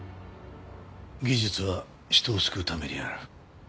「技術は人を救うためにある」。